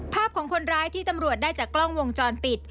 ภาพของคนร้ายที่ตำรวจได้จากกล้องวงจรปิด